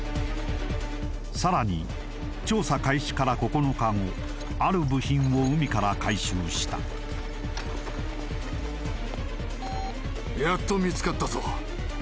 さらに調査開始から９日後ある部品を海から回収したやっと見つかったぞ